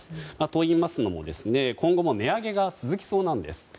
といいますのも今後も値上げが続きそうなんです。